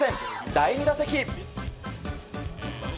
第２打席。